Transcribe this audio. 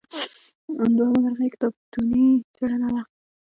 دوهمه برخه یې کتابتوني څیړنه ده.